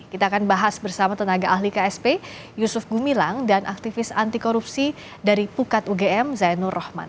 kita akan bahas bersama tenaga ahli ksp yusuf gumilang dan aktivis anti korupsi dari pukat ugm zainur rahman